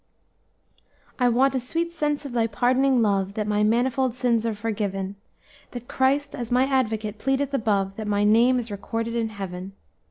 "'I want a sweet sense of Thy pardoning love, That my manifold sins are forgiven; That Christ, as my Advocate, pleadeth above, That my name is recorded in heaven.